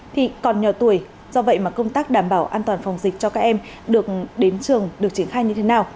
thì còn nhỏ tuổi do vậy mà công tác đảm bảo an toàn phòng dịch cho các em được đến trường được triển khai như thế nào